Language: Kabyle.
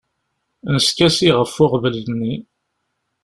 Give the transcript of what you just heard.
Neskasi ɣef uɣbel-nni.